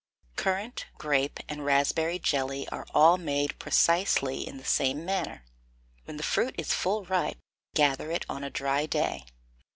Currant, grape, and raspberry jelly are all made precisely in the same manner. When the fruit is full ripe, gather it on a dry day.